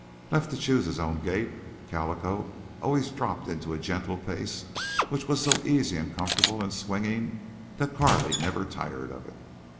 Left to choose his own gait, Calico always dropped into a gentle pace which was so easy and comfortable and swinging that Carley never tired of it.